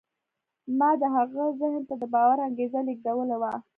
ما د هغه ذهن ته د باور انګېزه لېږدولې وه.